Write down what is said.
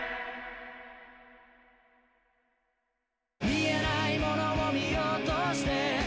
「見えないモノを見ようとして」